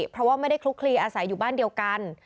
เพราะว่าไม่ได้คลุกคลีอาศัยอยู่บ้านเดียวกัน